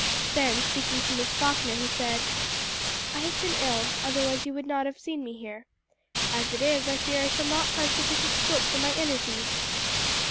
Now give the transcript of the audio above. Then speaking to Miss Falkner, he said "I have been ill, otherwise you would not have seen me here. As it is, I fear I shall not find sufficient scope for my energies!"